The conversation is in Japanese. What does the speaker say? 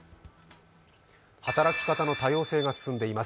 働き方の多様性が進んでいます。